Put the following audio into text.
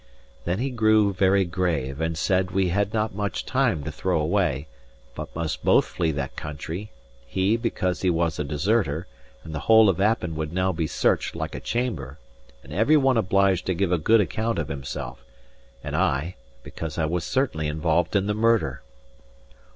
Then he grew very grave, and said we had not much time to throw away, but must both flee that country: he, because he was a deserter, and the whole of Appin would now be searched like a chamber, and every one obliged to give a good account of himself; and I, because I was certainly involved in the murder.